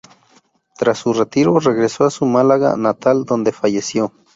Tras su retiro, regresó a su Málaga natal, donde falleció.